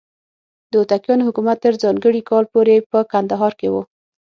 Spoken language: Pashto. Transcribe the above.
د هوتکیانو حکومت تر ځانګړي کال پورې په کندهار کې و.